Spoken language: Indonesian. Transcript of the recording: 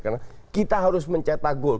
karena kita harus mencetak gol